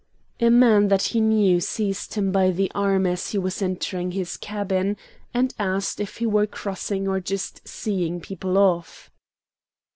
A man that he knew seized him by the arm as he was entering his cabin, and asked if he were crossing or just seeing people off.